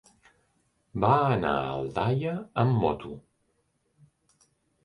Va anar a Aldaia amb moto.